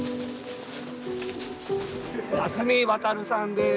蓮実渉さんです。